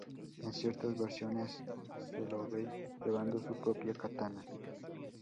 En ciertas versiones se lo ve llevando su propia katana.